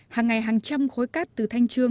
hàng ngày hàng trăm khối cát từ thanh trương